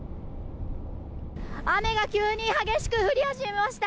雨が急に激しく降り始めました。